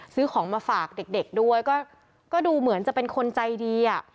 ซื้อของมาฝากเด็กด้วยก็ดูเหมือนจะเป็นคนใจดีอ่ะ